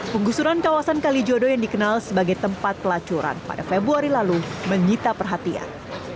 penggusuran kawasan kalijodo yang dikenal sebagai tempat pelacuran pada februari lalu menyita perhatian